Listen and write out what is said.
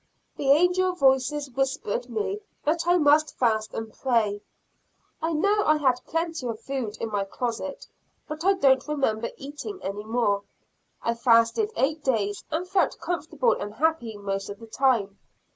The angel voices whispered me that I must fast and pray; I know I had plenty of food in my closet, but I don't remember eating any more. I fasted eight days, and felt comfortable and happy most of the time.